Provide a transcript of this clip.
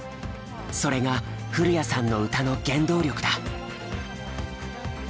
それが古谷さんの歌の原動力だ。